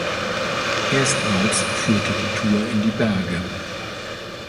Erstmals führte die Tour in die Berge.